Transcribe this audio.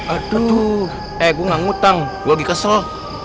aduh eh gua gak ngutang gua lagi kesel